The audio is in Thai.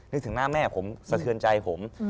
นึกถึงหน้าแม่ผมสะเทือนใจผม